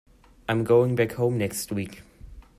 I’m going back home next week